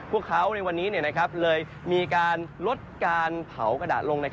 พวกเขาในวันนี้เลยมีการลดการเผากระดาษลง